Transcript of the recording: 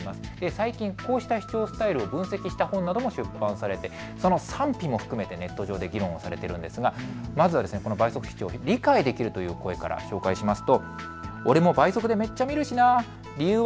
最近こうした視聴スタイルを分析した本なども出版されてその賛否も含めてネット上で議論されているんですが、まずは倍速視聴、理解できるという声から紹介します。